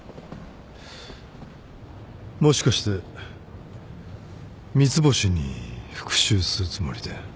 もしかして三ツ星に復讐するつもりで。